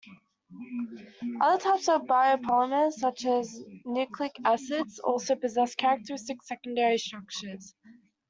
Other types of biopolymers such as nucleic acids also possess characteristic secondary structures.